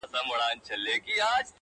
هغه به چاسره خبري کوي،